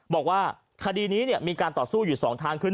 บอกว่าคดีนี้มีการต่อสู้อยู่๒ทางขึ้น